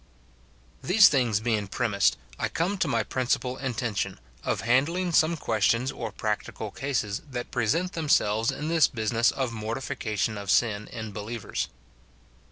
These things being premised, I come to my principal intention, of handling some questions or practical cases that present themselves in this business of mortification of sin in believers.